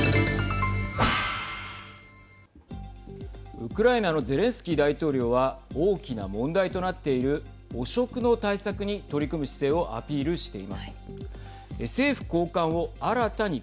ウクライナのゼレンスキー大統領は大きな問題となっている汚職の対策に取り組む姿勢をアピールしています。